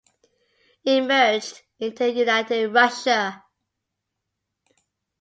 It merged into United Russia.